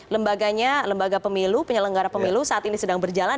lembaganya lembaga pemilu penyelenggara pemilu saat ini sedang berjalan